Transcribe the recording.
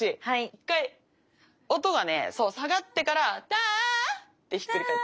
一回音がねそう下がってからたあってひっくり返る。